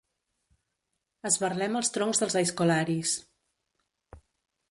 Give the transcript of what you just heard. Esberlem els troncs dels aizkolaris.